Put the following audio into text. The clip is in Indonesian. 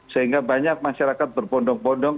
sehingga banyak masyarakat berpondok pondok